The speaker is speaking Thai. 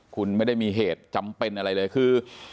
คุณไม่ได้มีเหตุจำเป็นอะไรเลยคือ